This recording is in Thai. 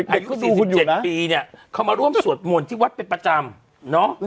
อายุ๔๗ปีเนี่ยเขามาร่วมสวดมนต์ที่วัดเป็นประจำเนาะ